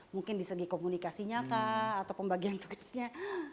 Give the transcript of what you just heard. mungkin di segi komunikasinya atau pembagian tugasnya